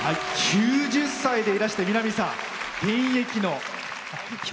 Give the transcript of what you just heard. ９０歳でいらして南さん現役の。